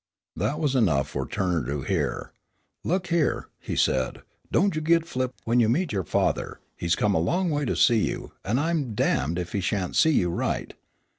That was enough for Turner to hear. "Look a here," he said, "don't you get flip when you meet your father. He's come a long ways to see you, and I'm damned if he shan't see you right.